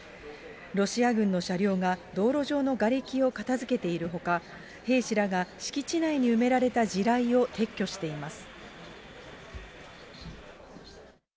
ロシア軍の車両が道路上のがれきを片づけているほか、兵士らが敷地内に埋められた地雷を撤去しています。